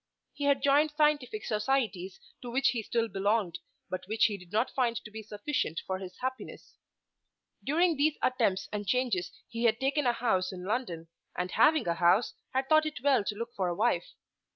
He had joined scientific societies to which he still belonged, but which he did not find to be sufficient for his happiness. During these attempts and changes he had taken a house in London, and having a house had thought it well to look for a wife.